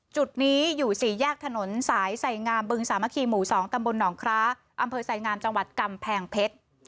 จุดนี้อยู่สี่แยกถนนสายไสงามบึงสามัคคีหมู่๒ตำบลหนองคล้าอำเภอไสงามจังหวัดกำแพงเพชร